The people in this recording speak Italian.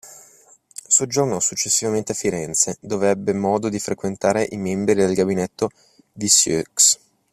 Soggiornò successivamente a Firenze dove ebbe modo di frequentare i membri del gabinetto Vieusseux.